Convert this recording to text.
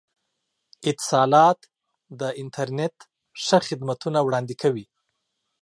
اتصالات د انترنت ښه خدمتونه وړاندې کوي.